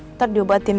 nanti diobatin ya